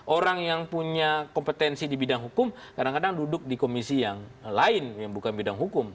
orang yang punya kompetensi di bidang hukum kadang kadang duduk di komisi yang lain yang bukan bidang hukum